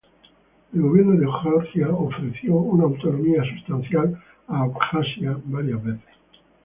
El gobierno de Georgia ofreció una autonomía sustancial a Abjasia varias veces.